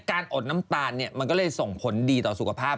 อดน้ำตาลมันก็เลยส่งผลดีต่อสุขภาพ